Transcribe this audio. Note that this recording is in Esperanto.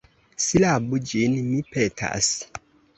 Silabu ĝin, mi petas.